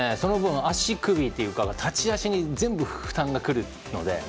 足首というか立ち足に全部、負担がくるので。